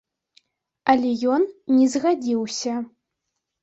Але ён не згадзіўся.